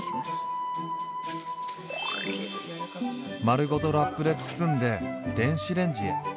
丸ごとラップで包んで電子レンジへ。